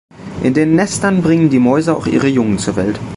In den Nestern bringen die Mäuse auch ihre Jungen zur Welt.